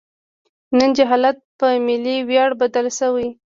نن جهالت په ملي ویاړ بدل شوی.